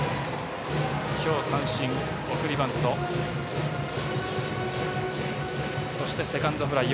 今日、三振、送りバントそしてセカンドフライ。